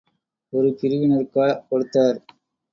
ஒரு பிரிவினருக்கா கொடுத்தார்?